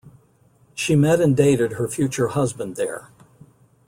She met and dated her future husband there.